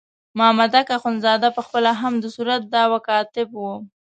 مامدک اخندزاده په خپله هم د صورت دعوا کاتب وو.